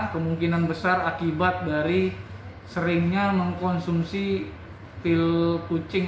kemungkinan besar akibat dari seringnya mengkonsumsi pil kucing